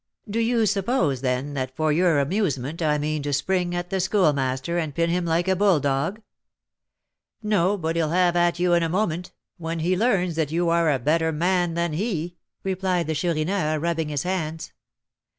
"Do you suppose, then, that for your amusement I mean to spring at the Schoolmaster, and pin him like a bull dog?" "No, but he'll have at you in a moment, when he learns that you are a better man than he," replied the Chourineur, rubbing his hands.